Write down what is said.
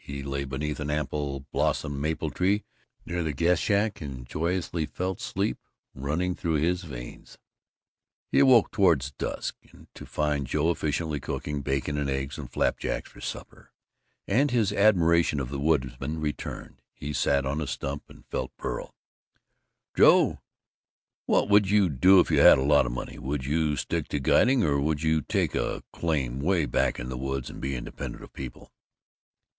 He lay beneath an ample bosomed maple tree near the guest shack, and joyously felt sleep running through his veins. He awoke toward dusk, to find Joe efficiently cooking bacon and eggs and flapjacks for supper, and his admiration of the woodsman returned. He sat on a stump and felt virile. "Joe, what would you do if you had a lot of money? Would you stick to guiding, or would you take a claim 'way back in the woods and be independent of people?"